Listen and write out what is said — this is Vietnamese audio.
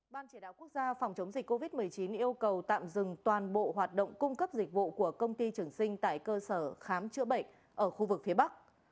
ban chỉ đạo quốc gia phòng chống dịch covid một mươi chín yêu cầu tạm dừng toàn bộ hoạt động cung cấp dịch vụ của công ty trường sinh tại cơ sở khám chữa bệnh ở khu vực phía bắc